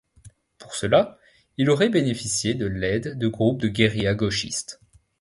Pour cela, il aurait bénéficié de l'aide de groupes de guérilla gauchistes.